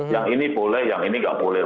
yang ini boleh yang ini nggak boleh